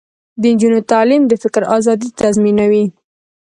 د نجونو تعلیم د فکر ازادي تضمینوي.